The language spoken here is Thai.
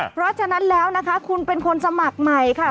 เพราะฉะนั้นแล้วนะคะคุณเป็นคนสมัครใหม่ค่ะ